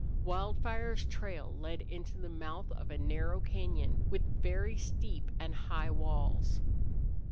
Wildfire's trail led into the mouth of a narrow cañon with very steep and high walls.